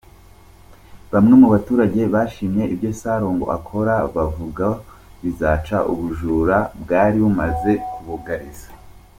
Bamwe mu baturage bashimye ibyo Salongo akora bavuga bizaca ubujuru bwari bumaze kubugariza.